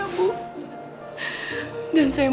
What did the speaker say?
dan saya mau ngedesain